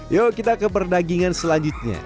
yuk kita ke perdagingan selanjutnya